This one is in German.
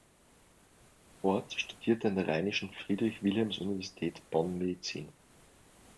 Orth studierte an der Rheinischen Friedrich-Wilhelms-Universität Bonn Medizin.